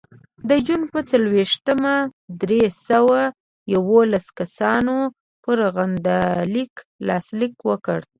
د جون په څلرویشتمه درې سوه یوولس کسانو پر غندنلیک لاسلیک وکړ.